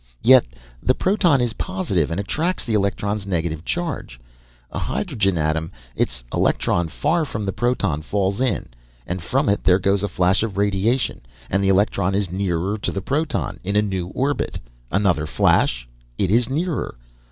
Yet the proton is positive and attracts the electron's negative charge. A hydrogen atom its electron far from the proton falls in, and from it there goes a flash of radiation, and the electron is nearer to the proton, in a new orbit. Another flash it is nearer.